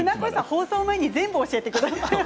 放送前に全部教えてくれた。